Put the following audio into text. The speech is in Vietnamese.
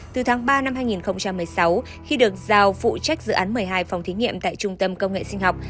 từ tháng ba năm hai nghìn một mươi sáu khi được giao phụ trách dự án một mươi hai phòng thí nghiệm tại trung tâm công nghệ sinh học